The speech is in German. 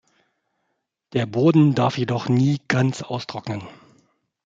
Der Boden darf jedoch nie ganz austrocknen.